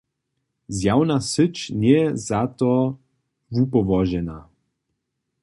Zjawna syć njeje za to wupołožena.